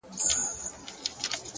هوډ د شک غږ خاموشوي,